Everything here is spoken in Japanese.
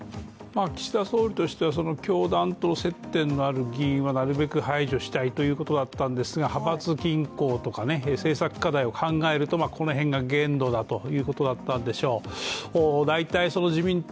岸田総理としては、教団と接点のある議員はなるべく排除したいということだったんですが派閥均衡とか政策課題を考えるとこの辺が限度だということだったんでしょう。